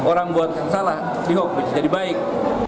orang buat salah dihok jadi baik